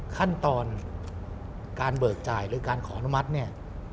ขั้นตอนการเบิกจ่ายหรือการขออนุมัติเนี่ย